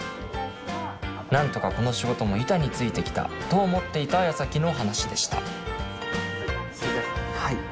なんとかこの仕事も板についてきたと思っていたやさきの話でした。